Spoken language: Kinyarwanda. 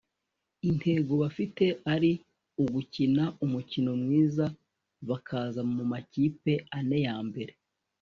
intego bafite ari ugukina umukino mwiza bakaza mu makipe ane ya mbere